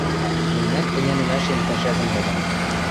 — Мӹньӹнӓт ӹнянӹмӓшем пӓшӓзӹн ганьок.